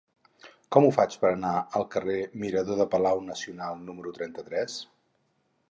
Com ho faig per anar al carrer Mirador del Palau Nacional número trenta-tres?